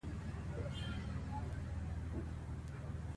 تعلیم لرونکې میندې د ماشومانو د ناروغۍ خپرېدل مخنیوی کوي.